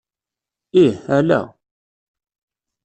Ih, ala.